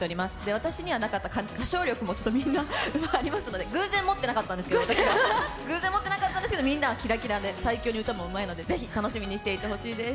私にはなかった歌唱力もみんなありますので、私は偶然持ってなかったんですけど、みんなはキラキラで最強に歌もうまいので、ぜひ楽しみにしてほしいです。